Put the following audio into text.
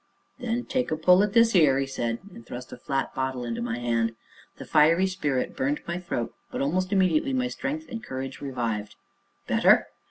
"Then take a pull at this 'ere," said he, and thrust a flat bottle into my hand. The fiery spirit burned my throat, but almost immediately my strength and courage revived. "Better?"